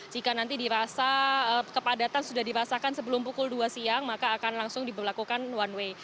jika nanti dirasa kepadatan sudah dirasakan sebelum pukul dua siang maka akan langsung diberlakukan one way